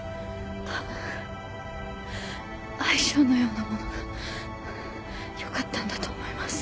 多分相性のようなものが良かったんだと思います。